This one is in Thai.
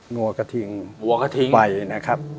หัวกระทิงไฟนะครับ